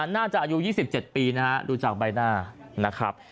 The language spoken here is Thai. น่าจะอายุ๒๗ปีนะครับดูจากใบหน้านะครับ